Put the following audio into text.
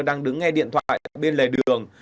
đang đứng nghe điện thoại bên lề đường